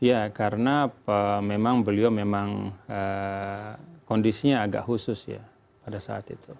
ya karena memang beliau memang kondisinya agak khusus ya pada saat itu